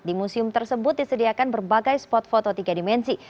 di museum tersebut disediakan berbagai spot foto tiga dimensi